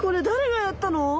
だれがやったの？